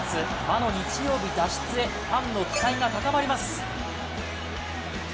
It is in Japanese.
魔の日曜日脱出へファンの期待が高まります。